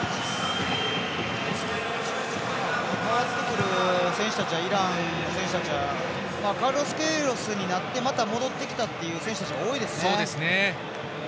代わってくるイランの選手たちはカルロス・ケイロスになってまた戻ってきたという選手たちが多いですね。